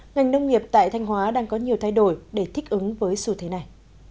ngành nông nghiệp tại thanh hóa đang có nhiều thay đổi để thích ứng với xu thế này